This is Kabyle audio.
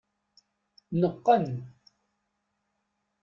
Neqqen.